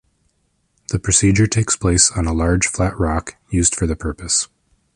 The procedure takes place on a large flat rock long used for the purpose.